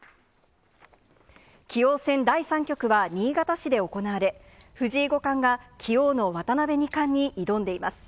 棋王戦第３局は新潟市で行われ、藤井五冠が、棋王の渡辺二冠に挑んでいます。